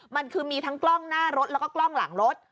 มันคือมีทั้งกล้องหน้ารถแล้วก็กล้องหลังรถ